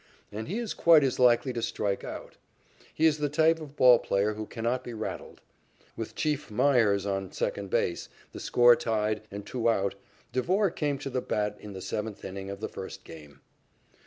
And he is quite as likely to strike out. He is the type of ball player who cannot be rattled. With "Chief" Myers on second base, the score tied, and two out, Devore came to the bat in the seventh inning of the first game.